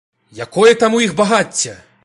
Якое там у іх багацце?!